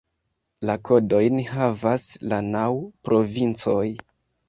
La kodojn havas la naŭ provincoj.